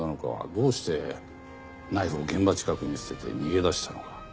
どうしてナイフを現場近くに捨てて逃げ出したのか。